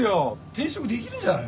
転職できるんじゃないの？